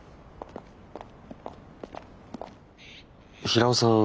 平尾さん